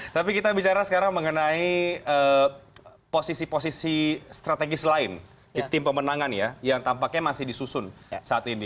tapi kita bicara sekarang mengenai posisi posisi strategis lain di tim pemenangan ya yang tampaknya masih disusun saat ini